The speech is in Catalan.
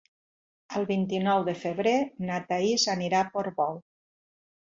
El vint-i-nou de febrer na Thaís anirà a Portbou.